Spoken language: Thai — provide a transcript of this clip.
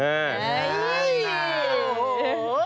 เอ้ยนั่นเลย